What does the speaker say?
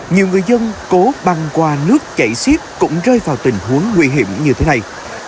nhiều người dân cố băng qua nước chảy xiếp cũng rơi vào tình huống nguy hiểm như thế này